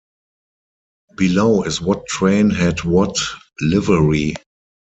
Below is what train had what livery.